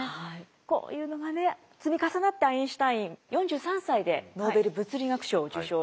こういうのがね積み重なってアインシュタイン４３歳でノーベル物理学賞を受賞します。